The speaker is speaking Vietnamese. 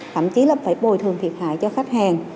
thậm chí là phải bồi thường thiệt hại cho khách hàng